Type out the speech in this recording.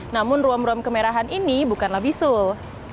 namun ruam ruam kemerahan ini bukanlah bisul